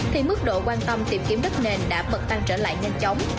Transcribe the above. thì mức độ quan tâm tìm kiếm đất nền đã bật tăng trở lại nhanh chóng